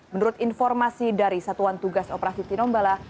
menurut informasi dari satuan tugas operasi tinombala